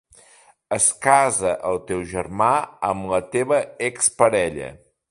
Es casa el teu germà amb la teva exparella.